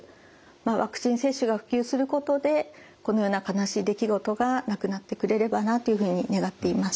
ワクチン接種が普及することでこのような悲しい出来事がなくなってくれればなというふうに願っています。